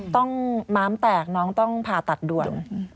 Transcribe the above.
ม้ามแตกน้องต้องผ่าตัดด่วน